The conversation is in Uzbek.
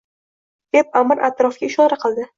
— deb Аmir atrofga ishora qildi.